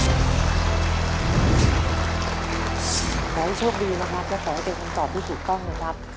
ขอให้โชคดีนะครับและขอให้เป็นคำตอบที่ถูกต้องนะครับ